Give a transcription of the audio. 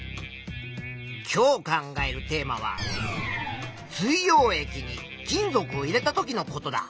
今日考えるテーマは「水よう液に金属を入れたときのこと」だ。